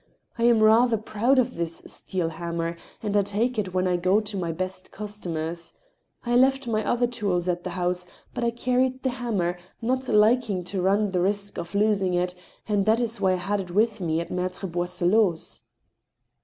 I am rather proud of this steel hammer, and I take it when I go to my best customers. I left my other tools at the house, but I carried the hammer, not lik ing to run the risk of losing it, and that is why I had it with me at Mattre Boisselot's."